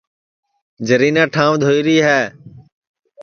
جرینا ٹھانٚوَ دھوئی ری ہے